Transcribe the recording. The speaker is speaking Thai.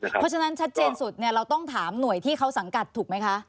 เพราะฉะนั้นชัดเจนสุดเราต้องถามหน่วยที่เขาสังกัดถูกไหมคะ